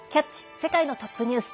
世界のトップニュース」。